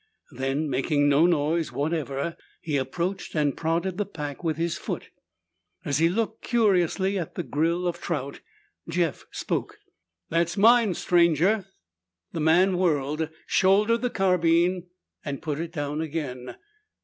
Then, making no noise whatever, he approached and prodded the pack with his foot. As he looked curiously at the grill of trout, Jeff spoke. "That's mine, stranger." The man whirled, shouldered the carbine, and put it down again.